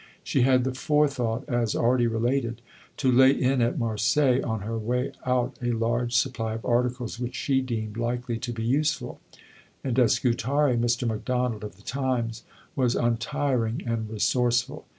She had the forethought, as already related, to lay in at Marseilles on her way out a large supply of articles which she deemed likely to be useful; and at Scutari Mr. Macdonald of the Times was untiring and resourceful.